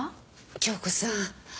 杏子さん。